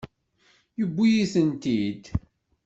Yewwi-iyi-tent-id.